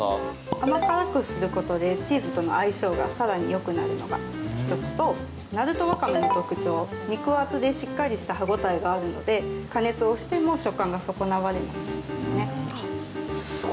甘辛くすることでチーズとの相性が更によくなるのが１つと鳴門わかめの特徴肉厚でしっかりした歯応えがあるので加熱をしても食感が損なわれないですね。